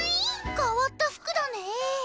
変わった服だねえ。